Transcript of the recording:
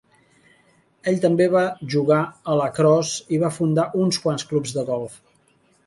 Ell també va jugar al lacrosse i va fundar uns quants clubs de golf.